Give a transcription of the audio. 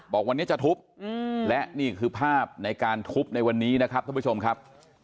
บอกวันนี้จะทุบและนี่คือภาพในการทุบในวันนี้นะครับท่านผู้ชมครับ